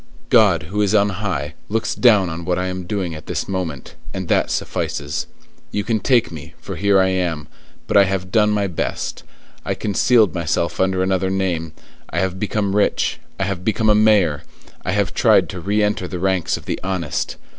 God, who is on high, looks down on what I am doing at this moment, and that suffices. You can take me, for here I am: but I have done my best; I concealed myself under another name; I have become rich; I have become a mayor; I have tried to re enter the ranks of the honest.